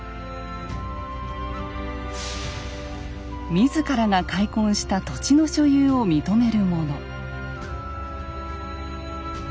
自らが開墾した土地の所有を認めるもの。